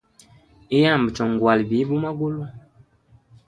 Iyamba chongwala bibi umagulu.